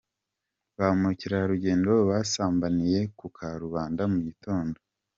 Ba mukerarugendo basambaniye ku karubanda mu gitondo.